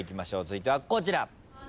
続いてはこちら。